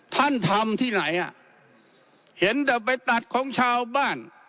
ท่านทำที่ไหนอ่ะเห็นแต่ไปตัดของชาวบ้าน